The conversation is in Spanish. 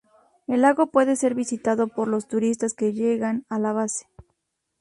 El lago puede ser visitado por los turistas que llegan a la base.